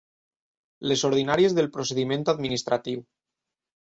Les ordinàries del procediment administratiu.